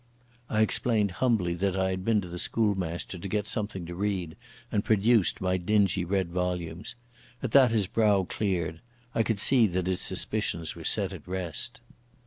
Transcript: I explained humbly that I had been to the schoolmaster to get something to read, and produced my dingy red volumes. At that his brow cleared. I could see that his suspicions were set at rest.